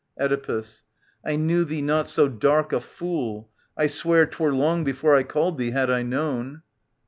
Oedipus. I knew thee not so dark a fool. I swear *Twcre long before I called thee, had I known.